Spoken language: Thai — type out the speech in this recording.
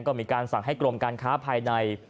ก็มีการสั่งให้กรมการค้าภายใน